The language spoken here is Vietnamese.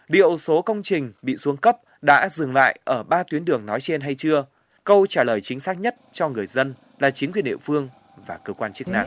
liệu số công trình bị xuống cấp đã dừng lại ở ba tuyến đường nói trên hay chưa câu trả lời chính xác nhất cho người dân là chính quyền địa phương và cơ quan chức năng